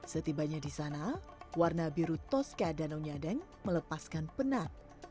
setibanya di sana warna biru toska danau nyadeng melepaskan penat